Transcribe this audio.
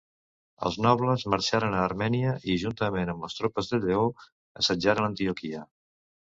Els nobles marxaren a Armènia i juntament amb les tropes de Lleó, assetjaren Antioquia.